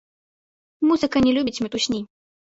Музыка не любіць мітусні.